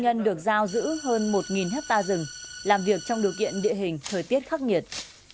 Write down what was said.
nhân được giao giữ hơn một hecta rừng làm việc trong điều kiện địa hình thời tiết khắc nhiệt